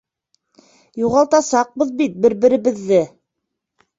Юғалтасаҡбыҙ бит бер-беребеҙҙе!..